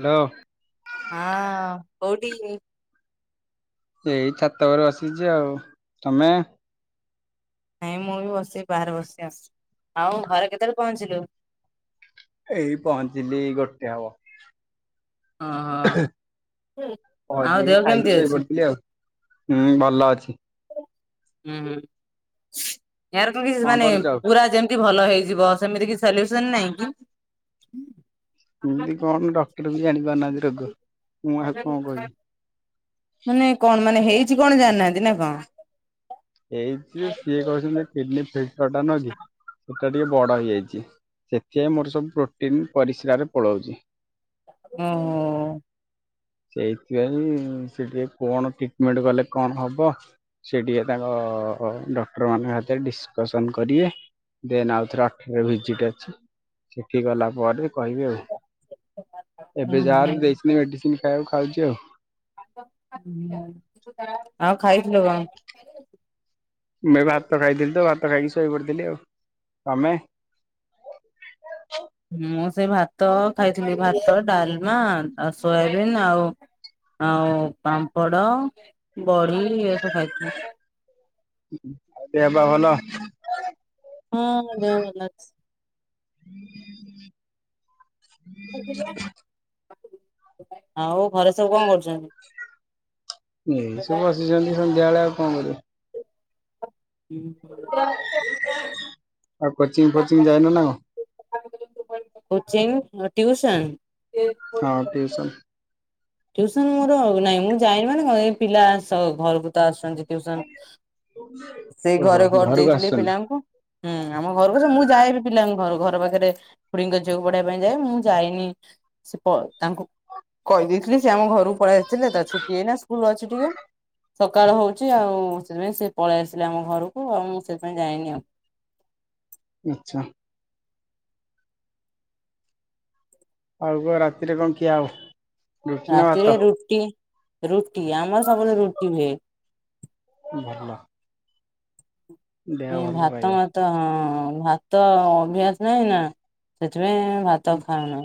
Hello. ହଁ କଉଠି କି? ଏଇ ଛାତ ଉପରେ ବସିଛି ଆଉ, ତମେ? ନାଇଁ ମୁଁ ବି ବସି ବାହାରେ ବସି ଆସ, ଆଉ ଘରେ କେତେବେଳେ ପହଞ୍ଚିଲୁ? ଏଇ ପହଞ୍ଚିଲି ଗୋଟେ ହବ। ଓହୋ ଆଉ ପହଞ୍ଚିକି ଦେହ ଖାଇକି କେମିତି ଅଛି? ଶୋଇପଡିଥିଲି ଆଉ? ହୁଁ ଭଲ ଅଛି। ହୁଁ ହୁଁ, ଆର କଣ କି ମାନେ କରୁଛ ଆଉ ପୁରା ଯେମତି ଭଲ ହେଇଯିବ, ସେମିତି କିଛି ସୋଲୁସନ ନାଇଁ କି? କେମିତି କଣ ଡକ୍ଟର ବି ଜାଣି ପାରୁନାହାନ୍ତି। ରୋଗ ମୁଁ ଆଉ କଣ କହିବି। [unintelligible] ମାନେ କଣ ମାନେ ହେଇଛି କଣ ଜାଣିନାହାନ୍ତି ନା କଣ? ଏଇଥି ସିଏ କହୁଛନ୍ତି ଯେ କିଡନୀ ଫିଲଟର ଟା ନୁହଁ କି? ସେଟା ଟିକେ ବଡ ହେଇଯାଇଛି ସେଥିପାଇଁ ମୋର ସବୁ ପ୍ରୋଟିନ ପରିସ୍ରାରେ ପଳାଉଛି। ଓହୋ। ସେଇଥିପାଇଁ ସେଠି ଆଉ କଣ ଟ୍ରିଟମେଣ୍ଟ କଲେ କଣ ହବ? ସେ ଟିକେ ତାଙ୍କ ଡକ୍ଟର ମାନେ ହାତରେ ଡିସକସନ୍ କରିବେ ଦେନ୍ ଆଉ ଥରେ ଅଠରରେ ଭିଜିଟ ଅଛି ସେଠି ଗଲା ପରେ କହିବି ଆଉ ଏବେ ଯାହାହେଲେ ଦେଇଛନ୍ତି ମେଡିସିନ ଖାଇବାକୁ ଖାଉଛି ଆଉ। ହୁଁ ଆଉ ଖାଇଥିଲ କଣ? ମୁଁ ଏବେ ଭାତ ଖାଇଥିଲି ତ ଭାତ ଖାଇକି ଶୋଇ ପଡିଥିଲି ଆଉ ତମେ? ମୁଁ ସେ ଭାତ ଖାଇଥିଲି ଭାଟି, ଡାଲମା ଆଉ ସୋୟାବିନ୍ ଆଉ ଆଉ ପାମ୍ପଡ, ବଢ଼ି ଏ ସବୁ ଖାଇଥିଲି। ଆଉ ଦେହ ପା ଭଲ? ହଁ ମୋ ଦେହ ଭଲ ଅଛି। [inaudible] ଆଉ ଘରେ ସବୁ କଣ କରୁଛନ୍ତି? ଏଇ ସବୁ ବସିଛନ୍ତି ସନ୍ଧ୍ୟାବେଳେ ଆଉ କଣ କରିବ। ହ ଆଉ କୋଚିଙ୍ଗ ଫୋଚିଙ୍ଗ ଯାଇନ ନାଁ କଣ? କୋଚିଙ୍ଗ ନା ଟ୍ୟୁଶନ୍? ହଁ ଟିଉସନ୍ ଟ୍ୟୁଶନ୍ ମୋର ନାଇଁ ମୁଁ ଯାଇନି ମାନେ ଘ ଏ ପିଲା ଆସ ଘରକୁ ତ ଆସୁଛନ୍ତି। ଟ୍ୟୁଶନ୍ ସେଇ ଓହୋ ଘରେ କରି ଘରକୁ ଦେଇେଥିଲି ଆସୁଛନ୍ତି ପିଲାଙ୍କୁ ହୁଁ ଆମ ଘରକୁ ସେ ମୁଁ ଯାଏ ବି ପିଲାଙ୍କ ଘରକୁ ଘର ପାଖରେ ଖୁଡିଙ୍କ ଝିଅକୁ ପଢେଇବା ପାଇଁ ଯାଏ ମୁଁ ଯାଇନି ସେ ପ ତାଙ୍କୁ କହିଦେଇଥିଲି ସେ ଆମ ଘରକୁ ପଳେଇ ଆସଥିଲେ ତ ଛୁଟି ଏଇନା ସ୍କୁଲ ଅଛି ଟିକେ ସକାଳ ହଉଛି ଆଉ ସେଥିପାଇଁ ସେ ପଳେଇ ଆସିଲେ ଆମ ଘରକୁ ଆଉ ମୁଁ ସେଥିପାଇଁ ଯାଇନି ଆଉ। ଆଚ୍ଛା। ଆଉ କଣ ରାତିରେ କଣ ଖିଆ ହବ? ରୁଟି ନା ଭାତ? ରାତିରେ ରୁଟି, ରୁଟି ଆମର ସବୁବେଳେ ରୁଟି ହୁଏ। ଭଲ। ଦେହ ଇଏ ଭଲ ଭାତ ରହିବ ମତ ହଁ ଭାତ ଅଭ୍ୟାସ ନାହିଁ ନା ସେଥିପାଇଁ ଭା ତ ଖାଉନୁ।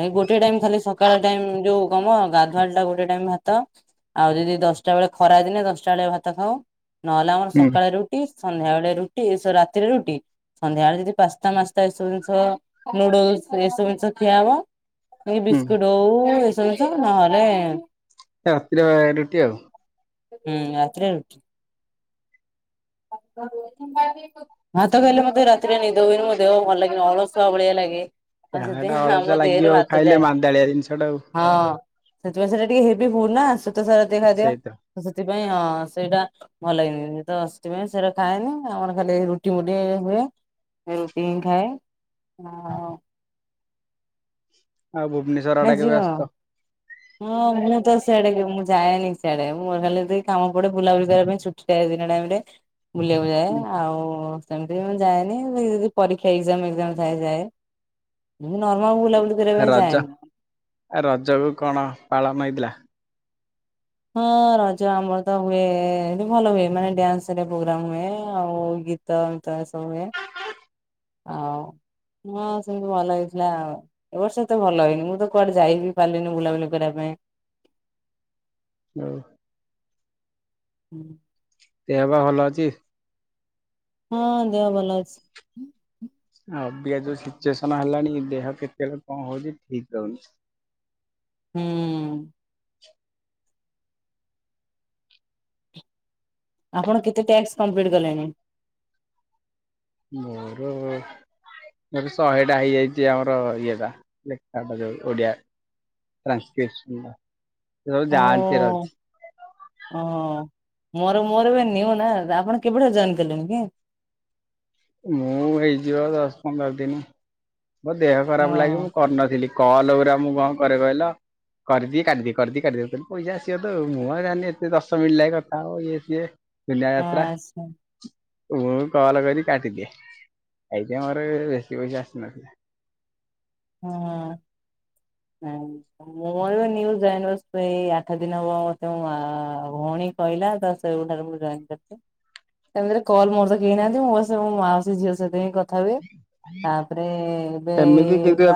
ଏଇ ଗୋଟିଏ ଟାଇମ ଖାଲି ସକାଳ ଟାଇମ ଯୋଉ କଣ ମ ଗାଧୁଆଳ ଟାଇମ୍ ଗୋଟେ ଟାଇମ ଭାତ ଆଉ ଯଦି ଦଶଟା ବେଳେ ଖରା ଦିନେ ଦଶଟା ବେଳେଆ ଭାତ ଖାଉ ନହେଲେ ଆମର ହୁଁ ହୁଁ ସକାଳେ ରୁ ଟି ସନ୍ଧ୍ୟାବେଳେ ରୁଟି ଏ ସ ରାତିରେ ରୁଟି। ସନ୍ଧ୍ୟାବେଳେ ଯଦି ପାସ୍ତା ମାସ୍ତା ଏ ସବୁ ଜିନିଷ ନୁଡୁଲସ, ଏ ସବୁ ଜିନିଷ ଖିଆ ହବ ଏଇ ବିସ୍କୁଟ ହଉ ଏ ସବୁ ଜିନିଷ ନହେଲେ ରାତିରେ ରୁଟି ଆଉ। ହୁଁ ରାତିରେ ରୁଟି। କିମ୍ବା ବି [unintelligible] ଭାତ ଖାଇଲେ ମତେ ରାତିରେ ନିଦ ହୁଏନି ମୋ ଦେହ ଭଲ ଲାଗେନି ଅଳସୁଆ ଭଳିଆ ଲାଗେ। ଆଉ ଯାହା ଟା ସେଥିପାଇଁ ଆମ ଅଳସୁଆ ଲାଗିବ ଦେହରେ ଆଉ ଭାତ ଖାଇଲେ ଯାଏନି। ମାନ୍ଦାଳିଆ ଜିନିଷ ଟା ଆଉ ହଁ ସେଥିପାଇଁ ସେଟା ଟିକେ ହେବି ଫୁଡ୍ ନା ଶ୍ୱେତସାର ଜାତୀୟ ଖାଦ୍ୟ। ତ ସେଥିପାଇଁ ହଁ ସେଇଟା ଭଲ ଲାଗନି ତ ଶ୍ ସେଥିପାଇଁ ସେଟା ଖାଏନି ଆମର ଖାଲି ରୁଟି ମୁଟି ହୁଏ ରୁଟି ହିଁ ଖାଏ। ହଁ। ଆଉ ଭୁବନେଶ୍ଵର ଆଡେ କେବେ ଆସୁଚ? ମୁଁ ଆଉ ମୁଁ ତ ସିଆଡେ ବି ମୁଁ ଯାଏନି ସିଆଡେ ମୋର ଖାଲି ଯେତିକି କାମ ପଡେ ବୁଲାବୁଲି କରିବା ପାଇଁ ଛୁ ଟି ଦିନ ଟାଇମରେ ବୁଲିବାକୁ ଯାଏ ଆଉ ସେମିତିରେ ମୁଁ ଯାଏନି ଯଦି କିଛି ପରୀକ୍ଷା ଏକ୍ସାମ୍ ଫେକ୍ସାମ୍ ଥାଏ ଯାଏ ଏମତି ନର୍ମାଲ ବୁଲାବୁଲି କରିବା ପାଇଁ ରଜ ଯାଏନି। ଆ ରଜ କ କଣ ପାଳନ ହେଇଥିଲା? ହଁ ରଜ ଆମର ତ ହୁଏ ଭଲ ହୁଏ ମାନେ ଡ୍ୟାନ୍ସ ପ୍ରୋଗ୍ରାମ ହୁଏ ଆଉ ଗୀ ତମ ତମ ସବୁୁ ହୁଏ ଆଉ ହଁ ସେମତି ଭଲ ହେଇଥିଲା ଆଉ। ଏବ ବର୍ଷ ତ ଭଲ ହେଇନି ମୁଁ ତ କୁଆଡେ ଯାଇ ବିି ପାରିଲିନି ବୁଲାବୁଲି କରିବା ପାଇଁ। [unintelligible] ହୁଁ ଦେହ ପା ଭଲ ଅଛି? ହଁ ଦେହ ଭଲ ଅଛି। ଏବେଆ ଯୋଉ ସିଚୁଏସନ ହେଲାଣି ଦେହ କେତେବେଳେ କଣ ହଉଛି ଠିକ ରହୁନି। ହୁଁ ଆପଣ କେତେ ଟାସ୍ କମ୍ପ୍ଲିଟ୍ କଲେଣି? ମୋର ମର ଶହେ ଟା ହେଇଯାଇଛି ଆମର ଇଏଟା ଲେଖାଟା ଯୋଉ ଓଡିଆ। ସଂସ୍କ ର ଓ ଜାନ୍ତି ରାଛି। ଓହୋ ମୋର ମୋର ଏ ନିଅ ନା ଆପଣ କେବେଠାରୁ ଜଏନ କଲେଣି କି? ମୁଁ ହେଇଯିବ ଦଶ ପନ୍ଦର ଦିନି ମୋ ଦେହ ଖରାପ ଲାଗି ହଁ। ମୁଁ କରିନଥିଲି କଲ ପୁରା ମୁଁ କଣ କରେ କହିଲ। କରିଦିଇ କାଟି କରିଦିଏ କାଟିଦିଏ ପଇଶା ଆସିବ ତ ମୁଁ ଆଉ ଜାଣିନି ଏତେ ଦଶ ମିଟ ଲାଗେ କଥା ହବ ଇଏ ସିଏ। ପିଲା ହଁ ତ୍ରା। ଆଚ୍ଛା ମୁ କଲ କରିରି କାଟିଦିଏ ଏଥିପାଇଁ ମର ବେଶୀ ପଇସା ଆସିନଥିଲା। ହଁ ହୁଁ ମୁଁ ଏଜ ଜାଇ ଏଇ ଆଠ ଦିନ ହବ ମତେ ଭଉଣୀ କହିଲଲା ତ ସେବେ ମୁ ଜନ କରଛି। ସେମିତି କଲ୍ ମୋର ତ କେହି ନାହାନ୍ତି ମୁଁ ବସ ମୋ ମାଉସୀ ଝିଅ ସଥି ଥାଏ ତାପରେ ଏବେ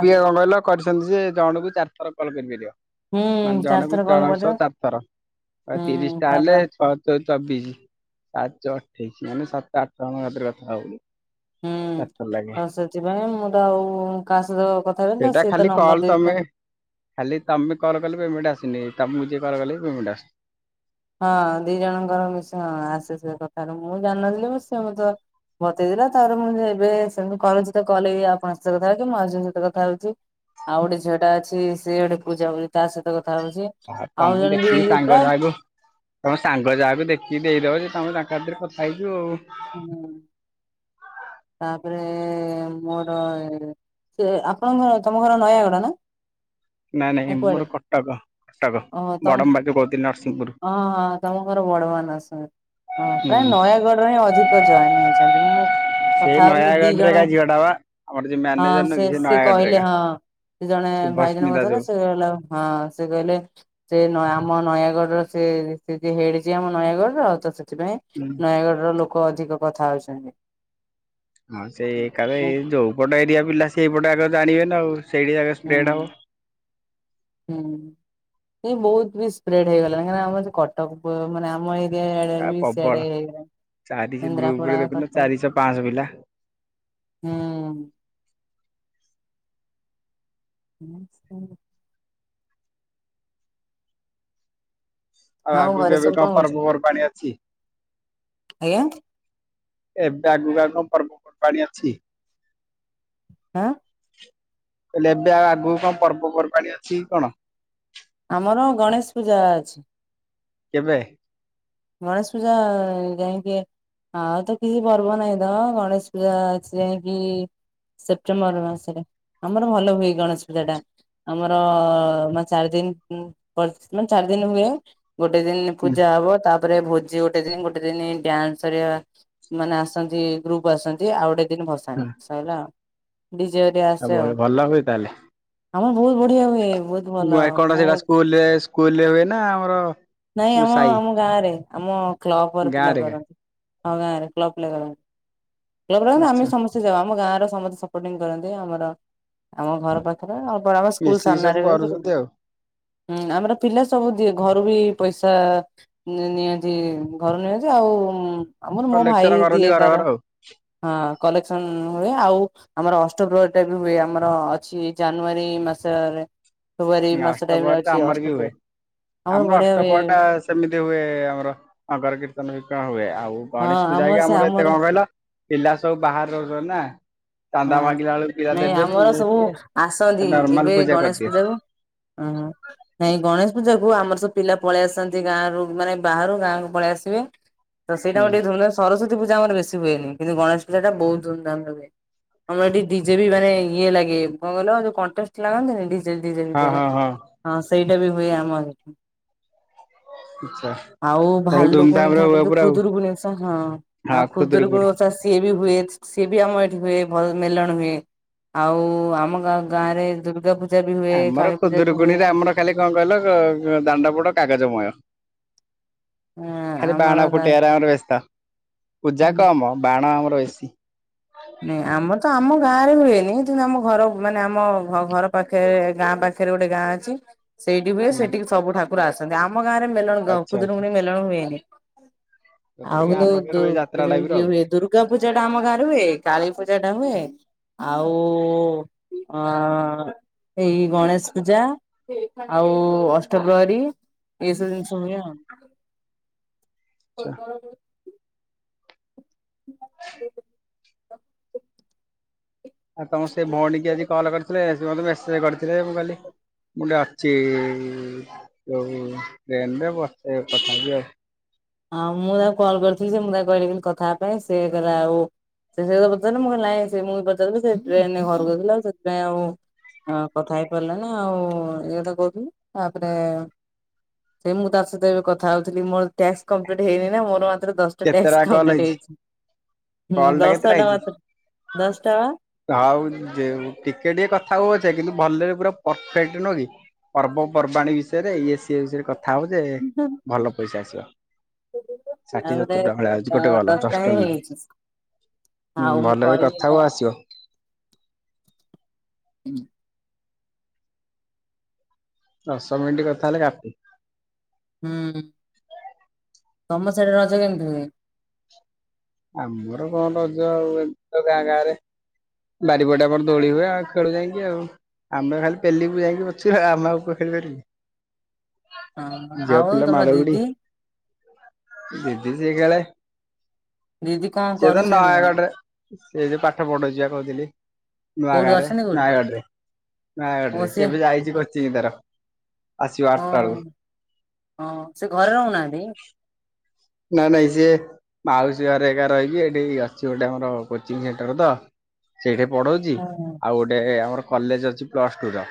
କ କହ କରିଛନ୍ତି ଯେ ଜଣଙ୍କୁ ଚାରିଥର କଲ କରିପାରିବ ହୁଁ ମାନେ ଜଣକୁ ଚାରିଥର କଲ୍ ଜଣ ଶ କରିବ ଚାରି ଥର ହୁଁ ତିରିଶ ଟା ହେଲେ ତାପରେ ଛଅ ସ ଚବିଶି ସାତ ଚଉ ଅଠେଇଶି ମାନେ ସାତ ଆଠ ଜଙ୍କ ଭାତରେ କଥା ହବ ବୋଲି ହୁଁ ତ ସେଥିପାଇଁ ମୁଁ ତ ଆଉ କାହା ସହିତ କ ସେଇଟା ଖାଲି କଲ ତମେ ଖାଲି ତମେ କଲେ ପେମେଣ୍ଟ ଆସିନି ତମକୁ ଯିକଏ କଲେ ପେମେଣ୍ଟ ଆସୁ ହଁ ଦି ଜଣଙ୍କର ମିଶ ହଁ ଆସେ ସେ କଥାରେ ମୁଁ ଜାଣଥିଲି ମ ତ ବତେଇଦେଲା ତାପରେ ମୁଁ ଏବେ ସେତି କଛି କଲେ ଆପଙ୍କ ସହିତ କଥା ହେଉଛିି ମୁଁ ଆଜନ ସହିତ କଥା ହଉଛି ଆଉ ଗୋଟେ ଝିଅ ଟା ଅଛି ସିଏ ଗୋଟେ ପୂଜା ବୋଲି ତା ସହିତ କଥା ହଉଛି ତମ ଆଉ ଜଣେ ଦେଖିକି ବିଇ ସାଙ୍ଗ ପ୍ରାୟ ଯାହାକୁ ତମ ସାଙ୍ଗ ଯାହାକୁ ଦେଖିକି ଦେଇଦବ ଯେ ତମ ତାଙ୍କ ଭିତରେ ରେ କଥା ହେଇଯ ଆଉ ହୁଁ ହୁଁ ତାପରେ ମୋର ସେ ଆପଣଙ୍କର ତମ ଘର ନୟାଗଡା ନା ନାଇଁ ନାଇଁ ନା କୁଆଡେ ମୋର କଟକ କଟକ ଓହୋ ତମ ବଡ଼ମ୍ବା ଠୁ ବହୁ ହଁ ହଁ ତମ ଘର ବଡବାନ ଆସ ହଁ ପ୍ରାୟ ହୁଁ। ନୟାଗଡ଼ରେ ହିଁ ଅଧିକ ଜଏନ ହେଇଛନ୍ତି ମୁଁ ସେଇ କଥା ହଲେ ଦି ନୟାଗଡରେ ଜଣ ଏକା ଝିଅଟା ବା ଆମର ଯୋଉ ହଁ ମ୍ୟାନେଜର ନୁହଁ ସେ କି ସେ ନୟାଗଡରେ କହିଲେ ଏକା। ହଁ ସେ ଜଣେ ଭାଇଜଣଙ୍କ ଶୁଭସ୍ମିତା ଥର ଯୋଉ ହେଲା ସେ କହିଲା ହଁ ସେ କହିଲେ ସେ ଆମ ନୟାଗଡର ସେ ଯ ହେଡିଛି ଆମ ନୟାଗଡରେ ଆଉ ତ ସେଥିପାଇଁ ନୟାଗଡ ର ଲ ଲୋକ ଅଧିକ କଥା ହଉଛନ୍ତି। ହଁ ସେ କା ଏ ହୁଁ ଯୋଉ ପଟେ ଏରିଆ ପିଲା ସେଇପଟେ ଆଗ ଜାଣିବେନି ଆଉ ସେଇଠି ଆଗ ହୁଁ ସ୍ପ୍ରେଡ ହବ। ହୁଁ। ଏଇ ବହୁତ ବି ସ୍ପ୍ରେଡ ହେଇଗଲା କାହିଁକି ଆମର କଟକ ମାନେ ଆମ ଏ ଏଡ ଆ ବି ପ୍ରବଳ ସେଆଡଇ ଚାରି ଗ୍ରୁପରେ ଇନ୍ଦ୍ରାପୁରା ଦେଖୁନ କଟ ଚାରିଶହ ପାଞ୍ଚଶହ ପିଲା ହୁଁ [inaudible] ଆଉ ଆଗକୁ ଘରେ ଏବେ ସବୁ କଣ କରୁଛନ୍ତି? ପର୍ବପର୍ବାଣି ଅଛି? ଆଜ୍ଞା ଏବେ ଆଗକୁ ଆଉ କଣ ପର୍ବପର୍ବାଣି ଅଛି? ହଁ। କହିଲି ଏବେ ଆଉ ଆଗକୁ କଣ ପର୍ବପର୍ବାଣି ଅଛି କି କଣ? ଆମର ଗଣେଶ ପୂଜା ଅଛି। କେବେ? ଗଣେଷ ପୂଜା ଯାଇକି ଆଉ ତ କିଛି ପର୍ବ ନାହିଁ ତ ଗଣେଶ ପୂଜା ଅଛି ଯାଇକି ସେପ୍ଟେମ୍ବର ମାସରେ ଆମର ଭଲ ହୁଏ ଗଣେଶ ପୂଜା ଟା। ଆମର ମାନେ ଚାରି ଦିନ ପ ମାନେ ଚାରି ଦିନ ହୁଏ। ଗୋଟେ ଦିନ ହୁଁ ପୂଜା ହବ ତା ତାପରେ ଭୋଜି ଗୋଟେ ଦିନ ଗୋଟେ ଦିନ ଡ୍ୟାନ୍ସ ହେରିକା ମାନେ ଆସନ୍ତି ଗ୍ରୁପ ଆସନ୍ତି ଆଉ ଗୋଟେ ଦିନ ଭସାଣି ସଇଲା ଆଉ। ଡିଜେ ଗୋଟେ ଆସେ ଆଉ। ଭଲ ହୁଏ ତାହେଲେ ଆମର ବହୁତ ବଢିଆ ହୁଏ ବହୁତ ଭଲ। ସେଟା ସ୍କୁଲରେ, ସ୍କୁଲରେ ହୁଏ ନା ଆମର ନାଇଁ, ଆମ ସାଇ ଆମ ଗାଁରେ ଆମ କ୍ଲବ ଘର ପିଲା ଗାଁରେ ଏକା କରନ୍ତି। ହଁ, ଗାଁ ରେ କ୍ଲବପିଲା କରନ୍ତି। କ୍ଲବ ର ଆମେ ଆଚ୍ଛା। ସମସ୍ତେ ଆମ ଗାଁ ର ସମସ୍ତେ ସପୋର୍ଟିଂ କରନ୍ତି। ଆମର ଆମ ଘର ପାଖରେ, ଆଉ ଆମ ସ୍କୁଲ ମିଶିକି ସବୁ ସାମ୍ନାରେ ବି କରୁଛନ୍ତି ଆଉ ହୁଁ, ଆମର ପିଲା ସବୁ ଦିଏ। ଘରୁ ବି ପଇସା ନି ନିଅନ୍ତି, ଘରୁ ନିଅନ୍ତି ଆଉ ଆମର, ମୋ କଲେକ୍ସନ ଭାଇ କରନ୍ତି ଦିଏ ଘର ତାର, ଘର ଆଉ ହଁ କଲେକ୍ସନ ହୁଏ। ଆଉ ଆମର ଅଷ୍ଟପ୍ରହରୀ ଟାଇପର ହୁଏ ଆମର ଅଛି ଜାନୁଆରୀ ମାସରେ। ଫେବୃଆରୀ ମାସ ଟାଇମରେ ଅଷ୍ଟପ୍ରହରୀ ଅଷ୍ଟପ୍ରହରୀ। ଆମର ବଢିଆ ହୁଏ ଅଷ୍ଟପ୍ରହରୀଟା ସେମିତି ହୁଏ ଆମର ନଗର କୀର୍ତ୍ତନ ଫିର୍ତନ ହୁଏ ଆଉ ଗଣେଶ ପୂଜା ହେଇକି ଆମର ଏତେ କଣ କହିଲ, ପିଲା ସବୁ ବାହାରେ ରହୁଛନ୍ତି ନା। ହଁ ଚାନ୍ଦା ମାଗିଲା ବେଳକୁ ପିଲା ନାଇଁ ଦେବେନି ଆମର ଇଏ ସବୁ ସିଏ। ଆସନ୍ତି, ନର୍ମାଲ ଏବେ ପୂଜା ଗଣେଶ କରିଦିଏ ପୂଜାକୁ। ହଁ ହଁ। ନାଇଁ, ଗଣେଶ ପୂଜା କୁ ଆମର ସବୁ ପିଲା ପଳେଇ ଆସନ୍ତି। ଗାଁରୁ ମାନେ, ବାହାରୁ ଗାଁକୁ ପଳେଇ ଆସିବେ। ତ, ସେଇଟା ହୁଁ ଆମର ଟିକିଏ ଧୁମଧାମ। ସରସ୍ଵତୀ ପୂଜା ଆମର ବେଶୀ ହୁଏନି। କିନ୍ତୁ ଗଣେଶ ପୂଜାଟା ବହୁ ଧୁମଧାମରେ ହୁଏ। ଆମର ଏଠି ଡିଜେ ବି ମାନେ ଇଏ ଲାଗେ। କଣ କହିଲ, ଯୋଉ କଣ୍ଟେଷ୍ଟ ଲାଗନ୍ତିନି, ଡିଜେ ଡିଜେ ଭିତରେ। ହଁ, ସେଇଟା ବି ହୁଏ ଆମର। ଆଚ୍ଛା। ଆଉ ତାହେଲେ ଭାଲୁକୁଣୀ ଧୁମଧାମରେ ଠାକୁର ହୁଏ ତ ପୁରା ଆଉ ଖୁଦରୁକୁଣି ଓଷା। ହଁ ହଁ ଆଉ ଖୁଦୁରୁକୁଣୀ। ଖୁଦରୁକୁଣି ଓଷା ସିଏ ବି ହୁଏ। ସିଏ ବି ଆମ ଏଠି ହୁଏ। ଭଲ ମେଲଣ ହୁଏ। ଆଉ ଆମା ଗା ଗାଁରେ ଦୁର୍ଗା ପୂଜା ପୂଜା ବି ହୁଏ। ଆମର କାଳୀ ପୂଜା ବି ହୁଏ। ଖୁଦୁରୁକୁଣୀରେ ଆମର ଖାଲି କଣ କହିଲ, କ କ ଦାଣ୍ଡ ପଟ କାଗଜମୟ। ହଁ ଖାଲି ବାଣ ଆମର ଗା ଫୁଟେଇବାରେ ଆମର ବ୍ୟସ୍ତ। ପୂଜା ହୁଁ। କମ, ବାଣ ଆମର ବେଶୀ। ନାଇଁ, ଆମର ତ ଆମ ଗାଁରେ ହୁଏନି। ଆମ ଘର ମାନେ ଆମ ଘର ପାଖରେ, ଗାଁ ପାଖ ପାଖରେ ଗୋଟେ ଗାଁ ଅଛି ସେଇଠି ହୁଏ। ହୁଁ ସେଠିକି ସବୁ ଠାକୁର ଆସନ୍ତି। ଆମ ଗାଁରେ ମେଲଣ ଗ ଆଚ୍ଛା ଆଚ୍ଛା ଖୁଦରୁକୁୁଣି ମେଲଣ ହୁଏନି। ତ ଆଉ ସେଇ ଗାଁ କିନ୍ତୁ ପାଖରେ ଦୁ ହୁଏ ଯାତ୍ରା ଯୋ ଟାଇପ ର ଇଏ ଆଉ ହୁଏ, ଦୁର୍ଗା ପୂଜା ଟା ଆମ ଗାଁରେ ହୁଏ। କାଳୀ ପୂଜା ଟା ହୁଏ। ଆଉ ଉ ଆ ଆ ଏଇ ଗଣେଶ ପୂଜା ଆଉ ଅଷ୍ଟ ପ୍ରହରୀ। ଏସବୁ ଜିନିଷ ହୁଏ ଆଉ ଆଚ୍ଛା [unintelligible] [unintelligible] ଆଉ ତମ ସେ ଭଉଣୀ କି ଆଜି କଲ୍ କରିଥିଲେ, ସେ ମତେ ମେସେଜ କରିଥିଲେ ମୁଁ କହିଁଲି ମୁଁଠେ ଅଛି ଯୋଉ ଟ୍ରେନରେ ବସ କଥା ହେବି ଆଉ। ହଁ, ମୁଁ ତାକୁ କଲ୍ କରିଥିଲି ସେ ମୁଁ ତା କହିଲି, କଥା ହେବା ପାଇଁ। ସେ କହିଲା, ଆଉ ସେ-ସେ କଥା ପଚାରିଲେ, ମୁଁ କହିଲି, ନାଇଁ। ସେ ମୁଁ ବି ପଚାରଲି। ସେ ଟ୍ରେନ ରେ ଘରକୁ ଆଉଥିଲେ, ସେଥିପାଇଁ ଆଉ ହଁ, କଥା ହେଇ ପାରିଲାନି। ଆଉ, ଇ ତ କହୁଥିଲି। ତାପରେ ସେ, ମୁଁ ତା ସହିତ ଏବେ କଥା ହଉଥିଲି। ମୋର ଟ୍ୟାସ୍କ କମ୍ପ୍ଲିଟ୍ ହେଇନି ନା, ମୋର ମାତ୍ର ଦଶ [inaudible] କେତେଟା କଲ୍ ଡ଼ିସକାଉଣ୍ଟେଟ୍ ହେଇଛି ହେଇଚି, ହୁଁ କଲ୍ ଟା ଦଶଟଙ୍କା ତ ଦଶଟଙ୍କା। ହଉ, ଯେ ଟିକେ ଟିକେ କଥା ହଉଅଛେ, କିନ୍ତୁ ଭଲରେ ପୁରା ପରଫେକ୍ଟ ନୁହଁ କି? ପର୍ବ ପର୍ବାଣୀ ବିଷୟରେ, ଇଏ-ସିଏ ବିଷୟରେ କଥା ହବ ଯେ, ଭଲ ପଇସା ଆସିବ। [inaudible] ଷାଠିଏ ଆଉ ସତୁରି ଟଙ୍କା ଗୋଟେ ଭଳିଆ ଆଉଛି କଲ୍ ଦଶଟଙ୍କା ଦଶଟା ମିନିଟ୍। ହେଇଛି। ହୁଁ ଆଉ, ମୁଁ ଭଲରେ କଥା କରିନି ହବ ପା। ଆସିବ ହୁଁ ଦଶ ମିନିଟ୍ କଥା ହେଲେ କାଫି। ହୁଁ। ତମ ସେଇଠି ରଜ କେମିତି ହୁଏ? ଆମର କଣ ରଜ ଆଉ ଏ ଗାଁ ଗାଁରେ ବାରିପଟେ ଆମର ଦୋଳି ହୁଏ ଆଉ ଖେଳୁ ଯାଇକି ଆଉ। ଆମେ ଖାଲି ପେଲିବୁ ଯାଇକି ପଛୁ ଆମ ଆକୁ ଖେଳିପାରିବୁ। ହଁ ଝିଅ ଆଉ ପିଲା ତମ ମାଡ଼ଗଡି ଦିଦି ଦିଦି ସେ ଖେଳେ। ଦିଦି କଣ ସେ ତ କରୁଛନ୍ତି କଣ? ନୟାଗଡ଼ରେ ସେ ଯଉ ପାଠ ପଢୁଉଛିିବା କହୁଥିଲି। ନୂଆ ଗାଁ କୋଉଠି ରେ ଅଛନ୍ତି କୋଉଠି? ନୟାଗଡ଼ ରେ ନୟାଗଡ଼ ଓ ରେ ସିଏ ସେବେ ଯାଇଛି କୋଚିଂ ତାର ଆସିବ ଆଟା ହଁ ବେଳକୁ। ହଁ, ସେ ଘରେ ରହୁନାହାନ୍ତି? ନାଇଁ ନାଇଁ ସିଏ ମାଉସୀ ଘରେ ଏକା ରହିବି ଏଠି ଅଛି ଗୋଟେ ଆମର କୋଚିଂ ସେଣ୍ଟର ତ। ସେଇଠି ପଢଉଛି ହଁ ହଁ ଆଉ ଗୋଟେ ଆମର କଲେଜ ଅଛି ପ୍ଲସ ଟୁ ର।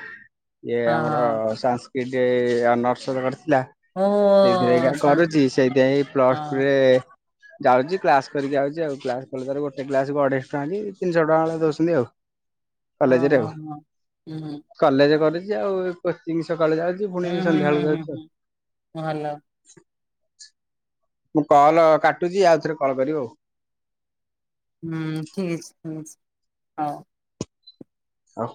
ଇଏ ଆମର ସାଂସ୍କତି ଅନର୍ସର କରିଥିଲା। ହଁ ସେଇଥିରେ ଓହୋ ସା କରୁଛି ସେଇଥିପାଇଁ ହଁ ପ୍ଲସଟୁରେ ଯାଉଛି କ୍ଲାସ କରିକି ଯାଉଛି ଆଉ କ୍ଲାସ କଲେ ତାର ଗୋଟେ କ୍ଲାସ କ ଅଢେଇଶ ଟଙ୍କା କି ତିନିଶହ ଟଙ୍କା ବେଳେ ଦଉଛନ୍ତି ଆଉ। ହଁ କଲେଜରେ ହଁ ଆଉ ହଁ ହୁଁ କଲେଜ କରୁଛି ଆଉ କୋଚିଂ ସକାଳେ ଯାଉଛି ପୁଣି ସନ୍ଧ୍ୟାବେଳକୁ ଯାଉଛି ଆଉ। ହଁ ଭଲ ମୁଁ କଲ କାଟୁଛି ଆଉଥରେ କଲ୍ କରିବି ଆଉ। ହୁଁ ଠିକ ଅଛିି ହଉ। ହଁ